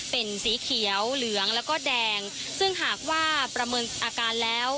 เป็นสีเขียวเหลืองแล้วก็แดงซึ่งหากว่าประเมินอาการแล้ว